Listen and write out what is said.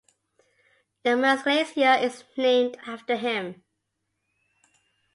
The Mertz Glacier is named after him.